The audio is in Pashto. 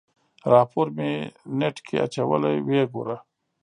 راپور مې نېټ کې اچولی ويې ګوره.